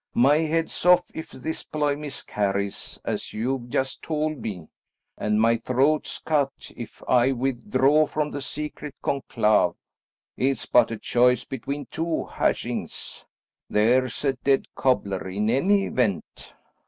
My head's off if this ploy miscarries, as you've just told me, and my throat's cut if I withdraw from the secret conclave. It's but a choice between two hashings. There's a dead cobbler in any event."